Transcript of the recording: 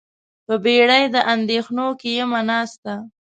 په بیړۍ د اندیښنو کې یمه ناسته